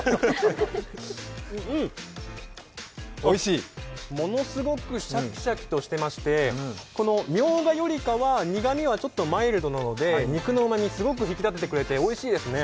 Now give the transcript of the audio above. うん、ものすごくシャキシャキとしていまして、みょうがよりかは苦味はちょっとマイルドなので、肉のうまみ、すごく引き立ててくれておいしいですね！